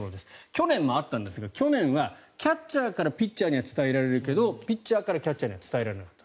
去年もあったんですが去年はキャッチャーからピッチャーには伝えられるけどピッチャーからキャッチャーには伝えられなかった。